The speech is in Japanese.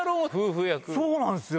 そうなんすよ！